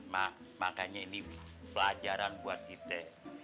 makanya ini pelajaran buat kita